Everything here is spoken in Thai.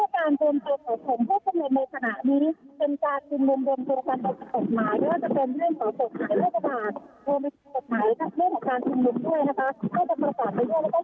ต้องค่ะเป็นนักสนับพอปาร์นกรมกรุม